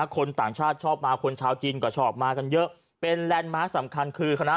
คนต่างชาติชอบมาคนชาวจีนชอบมากันเยอะเป็นเรียนม้าสำคัญ